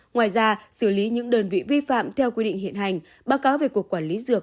ngoài ra xử lý những đơn vị vi phạm theo quy định hiện hành báo cáo về cục quản lý dược